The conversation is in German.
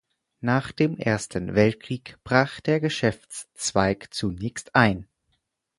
Nach dem Ersten Weltkrieg brach der Geschäftszweig zunächst ein.